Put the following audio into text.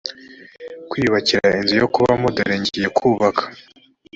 kwiyubakira inzu yo kubamo dore ngiye kubaka